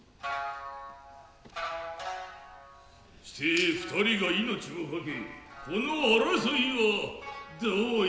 して二人が命をかけこの争いはどういう訳だ。